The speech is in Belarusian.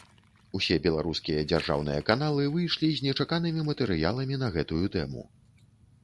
Усе беларускія дзяржаўныя каналы выйшлі з нечаканымі матэрыяламі на гэтую тэму.